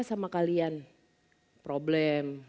sama kalian problem